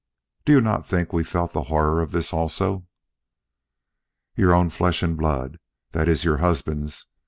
Do you not think we felt the horror of this also?" "Your own flesh and blood that is, your husband's.